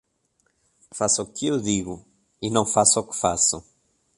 Faça o que eu digo e não faça o que faço.